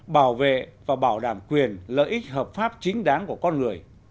bảo vệ và bảo đảm quyền lợi ích hợp pháp chính đáng của con người